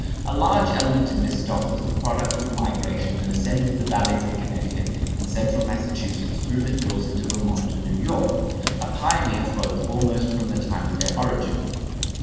A large element in this stock was the product of the migration that ascended the valleys of Connecticut and central Massachusetts through the hills into Vermont and New York, a pioneer folk almost from the time of their origin.